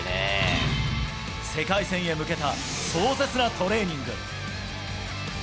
世界戦へ向けた、壮絶なトレーニング。